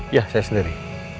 iya saya sendiri